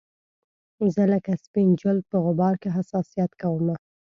زه لکه سپین جلد په غبار کې حساسیت کومه